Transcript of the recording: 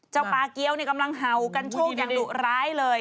ปลาเกี้ยวนี่กำลังเห่ากันโชคอย่างดุร้ายเลย